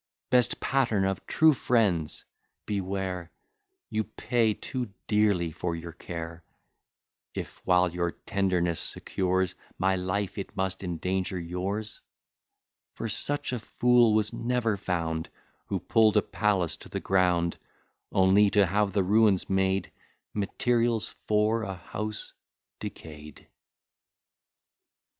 Best pattern of true friends! beware; You pay too dearly for your care, If, while your tenderness secures My life, it must endanger yours; For such a fool was never found, Who pull'd a palace to the ground, Only to have the ruins made Materials for a house decay'd.